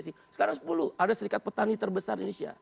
sekarang sepuluh ada serikat petani terbesar di indonesia